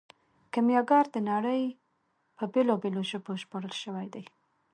کیمیاګر د نړۍ په بیلابیلو ژبو ژباړل شوی دی.